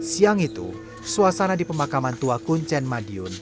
siang itu suasana di pemakaman tua kuncen madiun